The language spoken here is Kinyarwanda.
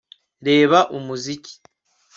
Reba umuziki